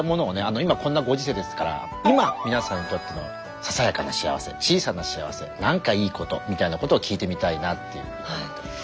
今こんなご時世ですから今みなさんにとってのささやかな幸せ小さな幸せなんかいいことみたいなことを聞いてみたいなっていうふうに思ってます。